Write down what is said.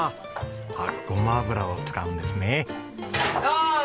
あっごま油を使うんですね。